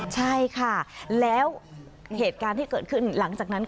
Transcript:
ใช่ค่ะแล้วเหตุการณ์ที่เกิดขึ้นหลังจากนั้น